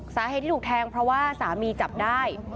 สาเหตุที่ถูกแทงเพราะว่าสามีจับได้